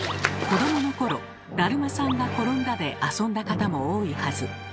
子どもの頃「だるまさんがころんだ」で遊んだ方も多いはず。